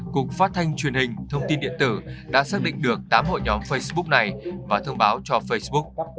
cục phát thanh truyền hình thông tin điện tử đã xác định được tám hội nhóm facebook này và thông báo cho facebook